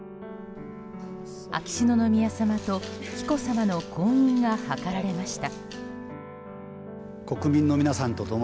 秋篠宮さまと紀子さまの婚姻がはかられました。